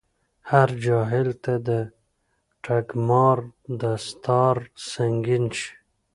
هر جاهل ته دټګمار دستار سنګين شي